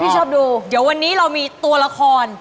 ชอบดูเดี๋ยววันนี้เรามีตัวละคร